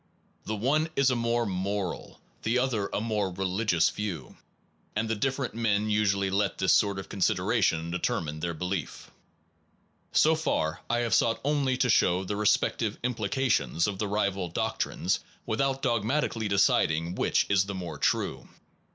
The one is a more moral, the other a more religious view; and different men usually let this sort of consideration deter mine their belief. 1 So far I have sought only to show the respect ive implications of the rival doctrines without Its ad dogmatically deciding which is the vantages more true.